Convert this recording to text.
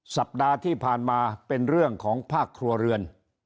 สัปดาห์ที่ผ่านมาเป็นเรื่องของภาคครัวเรือน